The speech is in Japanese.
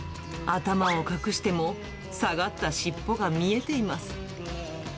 頭を隠しても、下がった尻尾が見えています。